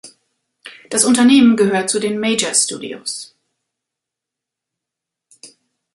Das Unternehmen gehört zu den Major-Studios.